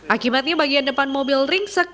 akibatnya bagian depan mobil ringsek